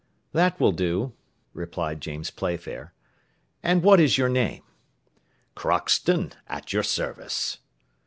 "That will do," replied James Playfair. "And what is your name?" "Crockston, at your service."